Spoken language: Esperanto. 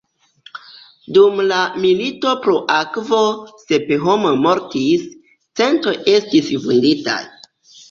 Dum la „milito pro akvo“ sep homoj mortis, centoj estis vunditaj.